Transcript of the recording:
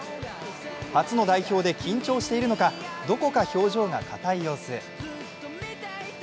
初の代表で緊張しているのかどこか表情がかたい様子。